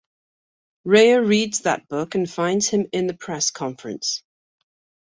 Rhea reads that book and finds him in the press conference.